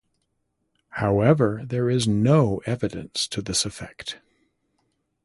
However, there is no evidence to this effect.